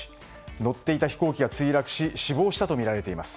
乗っていた飛行機が墜落し死亡したとみられています。